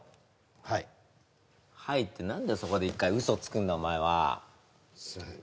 はいはいって何でそこで１回ウソつくんだお前はすいません